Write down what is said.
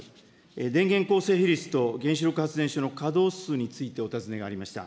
電源構成比率と原子力発電所の稼働数についてお尋ねがありました。